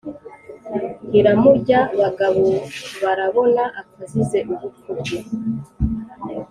iramurya! Bagabobarabona apfa azize ubupfu bwe